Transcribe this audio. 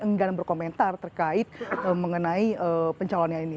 enggan berkomentar terkait mengenai pencalonnya ini